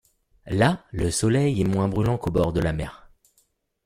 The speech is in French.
Là, le soleil est moins brûlant qu’au bord de la mer.